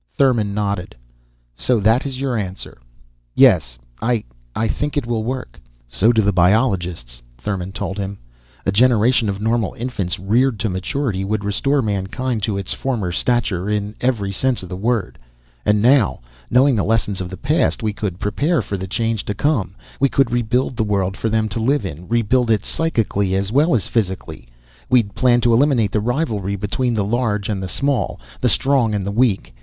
Thurmon nodded. "So that is your answer." "Yes. I I think it will work." "So do the biologists," Thurmon told him. "A generation of normal infants, reared to maturity, would restore mankind to its former stature, in every sense of the word. And now, knowing the lessons of the past, we could prepare for the change to come. We could rebuild the world for them to live in, rebuild it psychically as well as physically. We'd plan to eliminate the rivalry between the large and the small, the strong and the weak.